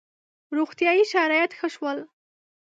• روغتیايي شرایط ښه شول.